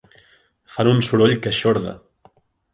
Fan un soroll que eixorda.